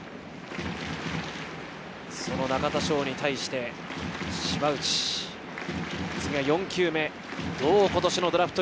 中田翔に対して島内、次が４球目。